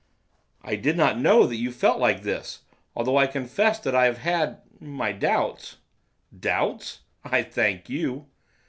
'I did not know that you felt like this, though I confess that I have had my my doubts.' 'Doubts! I thank you.